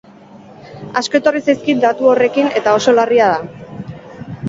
Asko etorri zaizkit datu horrekin eta oso larria da.